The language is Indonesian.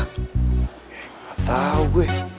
gak tau gue